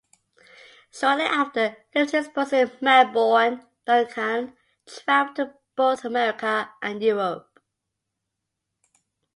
Shortly after leaving his post in Melbourne, Duncan travelled to both America and Europe.